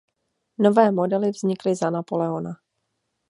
Nové modely vznikly za Napoleona.